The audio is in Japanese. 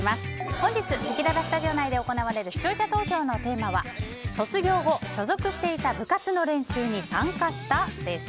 本日、せきららスタジオ内で行われる視聴者投票のテーマは卒業後所属していた部活の練習に参加した？です。